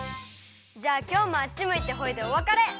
じゃあきょうもあっちむいてホイでおわかれ。